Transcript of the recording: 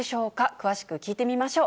詳しく聞いてみましょう。